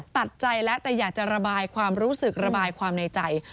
ตัดใจแล้วแต่อยากจะระบายความรู้สึกระบายความในใจ